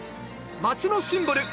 街のシンボル